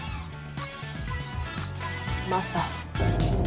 マサ。